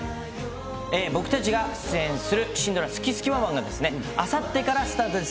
僕たちが出演する新ドラマ、すきすきワンワン！があさってからスタートです。